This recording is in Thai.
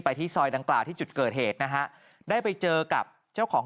ที่ซอยดังกล่าวที่จุดเกิดเหตุนะฮะได้ไปเจอกับเจ้าของ